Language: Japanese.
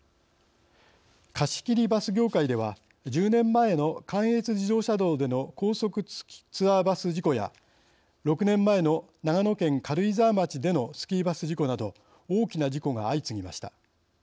貸し切りバス業界では１０年前の関越自動車道での高速ツアーバス事故や６年前の長野県軽井沢町でのスキーバス事故など大きな事故が相次ぎました。